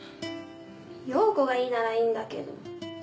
洋子がいいならいいんだけど。